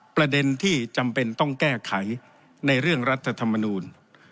ประเด็นที่จำเป็นต้องแก้ไขในเรื่องรัฐธรรมนูล